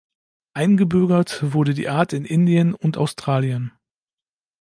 Eingebürgert wurde die Art in Indien und Australien.